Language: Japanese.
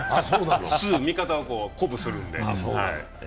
すぐ味方を鼓舞するんで。